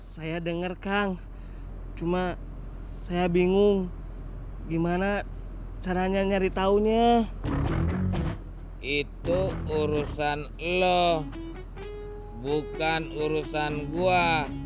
saya dengar kang cuma saya bingung gimana caranya nyari tahunya itu urusan loh bukan urusan gua